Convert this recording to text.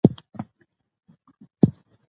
د پښتنو نومونه او روئيې را وړاندې کړے شوې دي.